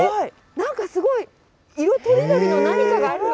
何かすごい色とりどりの何かがある！